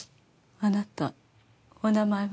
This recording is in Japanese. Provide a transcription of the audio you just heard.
あなたお名前は？